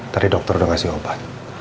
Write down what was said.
tadi dokter udah ngasih obat